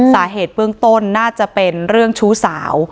สาเหตุเบื้องต้นน่าจะเป็นเรื่องชู้สาว